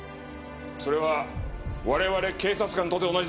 それは我々警察官とて同じだ。